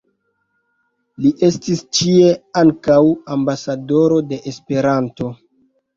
Li estis ĉie ankaŭ "ambasadoro de Esperanto.